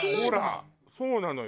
そうなのよ。